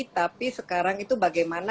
tapi sekarang itu bagaimana